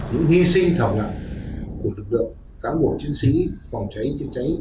những hy sinh thẩm lập của lực lượng cán bộ chiến sĩ phòng cháy địa cháy